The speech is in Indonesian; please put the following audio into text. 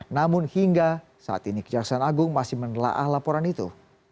namun hingga saat ini kejaksaan agung masih menelaah laporan itu